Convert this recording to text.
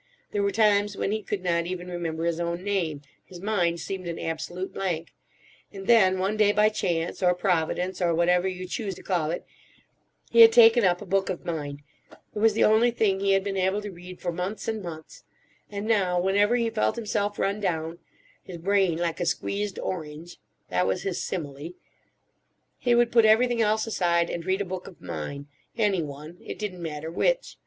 There were times when he could not even remember his own name; his mind seemed an absolute blank. And then one day by chance—or Providence, or whatever you choose to call it—he had taken up a book of mine. It was the only thing he had been able to read for months and months! And now, whenever he felt himself run down—his brain like a squeezed orange (that was his simile)—he would put everything else aside and read a book of mine—any one: it didn't matter which.